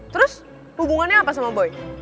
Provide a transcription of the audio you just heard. terus hubungannya apa sama boy